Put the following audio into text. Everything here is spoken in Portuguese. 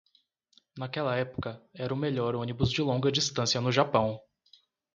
Naquela época, era o melhor ônibus de longa distância no Japão.